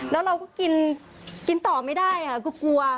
แล้วเราก็กินต่อไม่ได้ค่ะคือกลัว